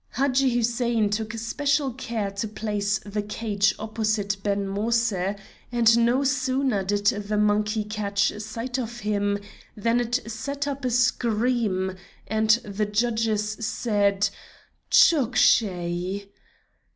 Hadji Hussein took special care to place the cage opposite Ben Moïse, and no sooner did the monkey catch sight of him than it set up a scream, and the judges said: 'Chok shai!'